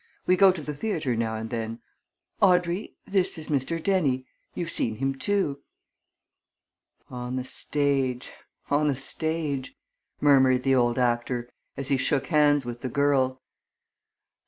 We go to the theatre now and then. Audrey this is Mr. Dennie you've seen him, too." "On the stage on the stage!" murmured the old actor, as he shook hands with the girl.